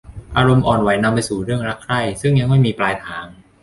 อารมณ์อ่อนไหวนำไปสู่เรื่องรักใคร่ซึ่งยังไม่มีปลายทาง